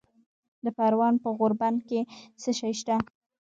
د پروان په غوربند کې څه شی شته؟